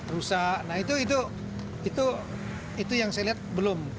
rusak nah itu itu itu itu yang saya lihat belum